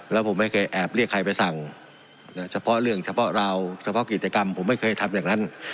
แล้วผมไม่เคยแอบเรียกใครไปสั่งเฉพาะเรื่องเฉพาะเราเฉพาะกิจกรรมผมไม่เคยทำอย่างนั้น